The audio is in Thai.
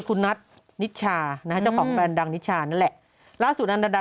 คุณนัทนิชชานะฮะเจ้าของแฟนดังนิชานั่นแหละล่าสุดอันดา